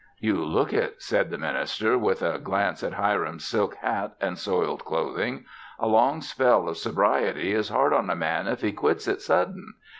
"You look it," said the minister, with a glance at Hiram's silk hat and soiled clothing. "A long spell of sobriety is hard on a man if he quits it sudden.